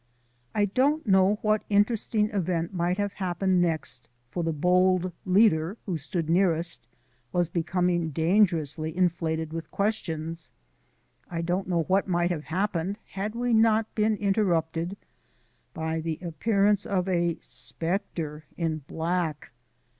I don't know what interesting event might have happened next, for the bold leader, who stood nearest, was becoming dangerously inflated with questions I don't know what might have happened had we not been interrupted by the appearance of a Spectre in Black.